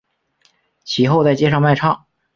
其后在街上卖唱。